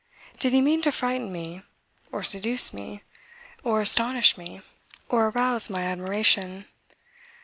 Did he mean to frighten me? Or seduce me? Or astonish me? Or arouse my admiration?